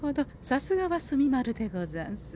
さすがは墨丸でござんす。